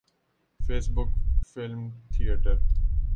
face book film theatre